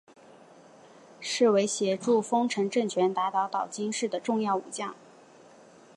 是为协助丰臣政权打倒岛津氏的重要武将。